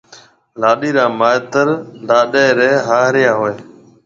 لاڏيَ را مائيتر لاڏيِ ريَ هاهريا هوئي هيَ۔